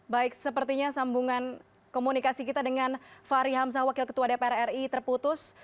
baik sepertinya sambungan komunikasi kita dengan fahri hamzah wakil ketua dpr ri terputus